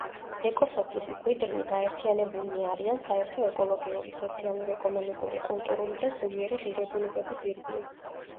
ეკოსოფლის მკვიდრნი გაერთიანებულნი არიან საერთო ეკოლოგიური, სოციალ-ეკონომიკური, კულტურული და სულიერი ღირებულებების ირგვლივ.